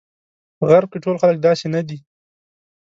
په غرب کې ټول خلک داسې نه دي.